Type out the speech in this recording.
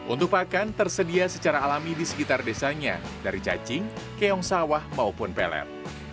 untuk pakan tersedia secara alami di sekitar desanya dari cacing keong sawah maupun pelet